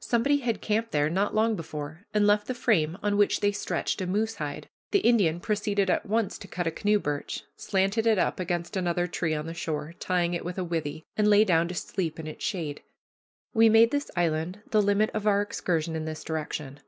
Somebody had camped there not long before and left the frame on which they stretched a moose hide. The Indian proceeded at once to cut a canoe birch, slanted it up against another tree on the shore, tying it with a withe, and lay down to sleep in its shade. We made this island the limit of our excursion in this direction.